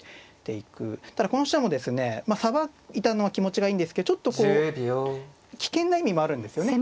ただこの飛車もですねさばいたのは気持ちがいいんですけどちょっとこう危険な意味もあるんですよね。